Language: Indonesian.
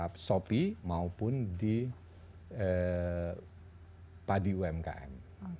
di shopee maupun di padi umkm